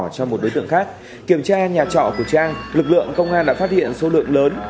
cho một đối tượng khác kiểm tra nhà trọ của trang lực lượng công an đã phát hiện số lượng lớn